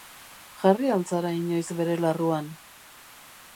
Jarri al zara inoiz bere larruan?